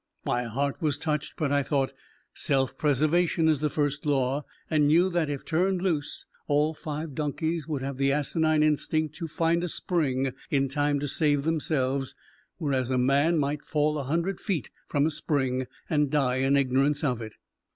My heart was touched, but I thought, "Self preservation is the first law," and knew that, if turned loose, all five donkeys would have the asinine instinct to find a spring in time to save themselves, whereas a man might fall a hundred feet from a spring and die in ignorance of it.